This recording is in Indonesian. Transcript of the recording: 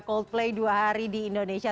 coldplay dua hari di indonesia